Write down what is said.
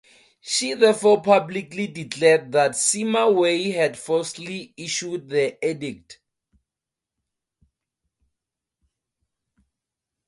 She therefore publicly declared that Sima Wei had falsely issued the edict.